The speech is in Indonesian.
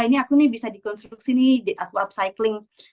ini aku nih bisa dikonstruksi nih aku upcycling